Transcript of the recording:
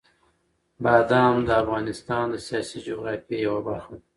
بادام د افغانستان د سیاسي جغرافیې یوه برخه ده.